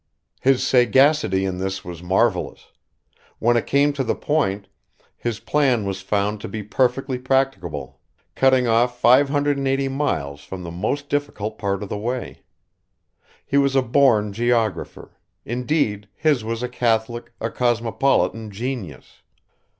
His sagacity in this was marvelous; when it came to the point, his plan was found to be perfectly practicable, cutting off 580 miles from the most difficult part of the way. He was a born geographer; indeed, his was a catholic, a cosmopolitan genius.